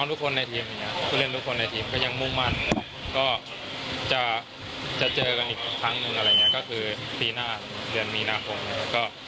ทุกเล่นทุกคนในทีมก็ยังมุ่งมั่นก็จะเจอกันอีกครั้งหนึ่งอะไรเงี้ย